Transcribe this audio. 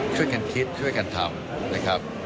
ช่วยกันคิดช่วยกันทำนะครับ